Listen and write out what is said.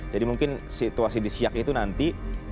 jadi mungkin situasi disiak itu nanti